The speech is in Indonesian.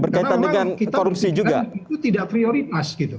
karena orang kita pikirkan itu tidak prioritas